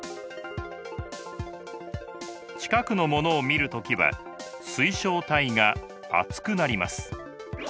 近くのものを見る時は水晶体が厚くなります。